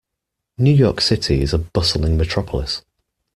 New York City is a bustling metropolis.